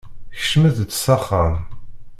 Kecmet-d s axxam.